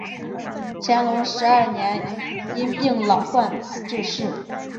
乾隆十二年因年老患病致仕。